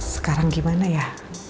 sekarang gimana ya